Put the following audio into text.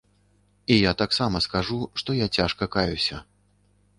І я таксама скажу, што я цяжка каюся.